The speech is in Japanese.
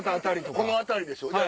この辺りでしょ？